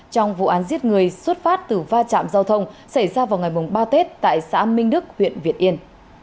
trong vụ án giết người xuất phát từ va chạm giao thông xảy ra vào ngày ba tết tại xã minh đức huyện việt yên